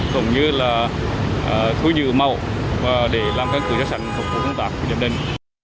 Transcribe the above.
cũng như là thu giữ màu để làm các cửa sản phục công tác giảm đình